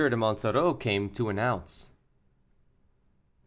DE MONSOREAU CAME TO ANNOUNCE. As M.